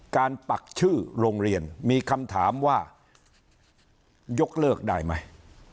ปักชื่อโรงเรียนมีคำถามว่ายกเลิกได้ไหม